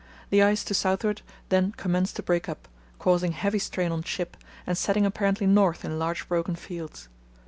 The ice to southward then commenced to break up, causing heavy strain on ship, and setting apparently north in large broken fields.